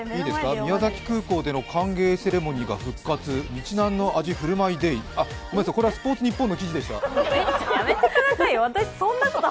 宮崎空港での歓迎セレモニーが復活、あ、これはスポーツニッポンの記事でした。